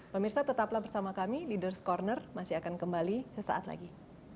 pemirsa tetaplah bersama kami leaders' corner masih akan kembali sesaat lagi